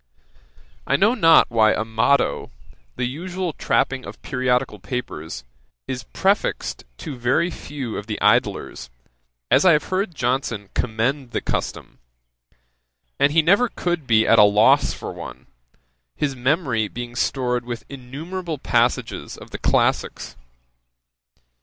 I know not why a motto, the usual trapping of periodical papers, is prefixed to very few of the Idlers, as I have heard Johnson commend the custom: and he never could be at a loss for one, his memory being stored with innumerable passages of the classicks.